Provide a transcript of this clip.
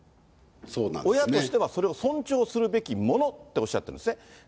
親としては、それを尊重するべきものっておっしゃってるんですね。